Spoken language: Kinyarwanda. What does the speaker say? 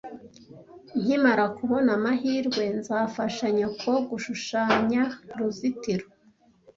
Nkimara kubona amahirwe, nzafasha nyoko gushushanya uruzitiro.